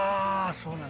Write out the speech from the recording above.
そうなんだ。